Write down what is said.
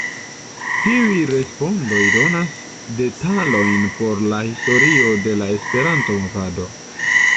Tiuj respondoj donas detalojn por la historio de la Esperanto-movado.